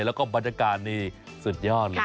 แล้วก็บรรยากาศนี่สุดยอดเลย